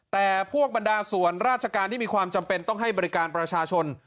แต่พวกบรรดาส่วนราชการที่มีความจำเป็นต้องให้บริการประชาชน